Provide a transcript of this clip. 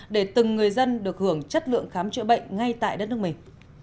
để từng người dân được hưởng chất lượng khám chữa bệnh ngay tại đất nước mình